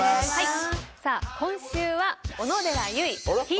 さあ今週は。